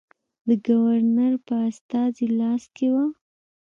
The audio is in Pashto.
د ګورنر په استازي لاس کې وه.